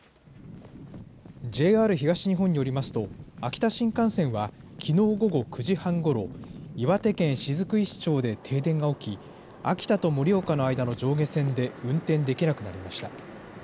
ＪＲ東日本によりますと、秋田新幹線は、きのう午後９時半ごろ、岩手県雫石町で停電が起き、秋田と盛岡の間の上下線で運転できなくなりました。